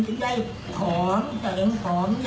คลิปนี้ให้ชื่อว่าป้อนไปบนไป